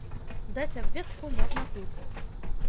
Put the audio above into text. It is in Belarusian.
Даць абвестку можна тут.